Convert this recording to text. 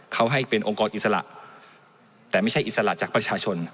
เขาให้เป็นองค์กรอิสระแต่ไม่ใช่อิสระจากประชาชน